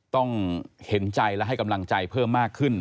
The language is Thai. ต้องเห็นใจและให้กำลังใจเพิ่มมากขึ้น